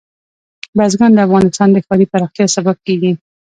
بزګان د افغانستان د ښاري پراختیا سبب کېږي.